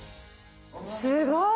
すごい！